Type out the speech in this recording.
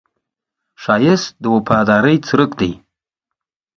ښایست د وفادارۍ څرک دی